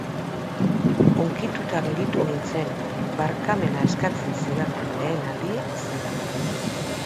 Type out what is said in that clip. Hunkituta gelditu nintzen, barkamena eskatzen zidaten lehen aldia zelako.